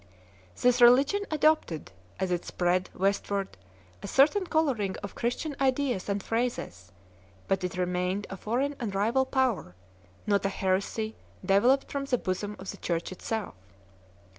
This religion adopted as it spread westward a certain colouring of Christian ideas and phrases, but it remained a foreign and rival power, not a heresy developed from the bosom of the Church itself.